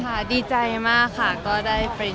มาแต่ไม่ทำชีวิต